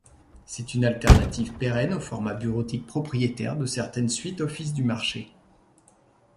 C'est une alternative pérenne aux formats bureautiques propriétaires de certaines suites office du marché.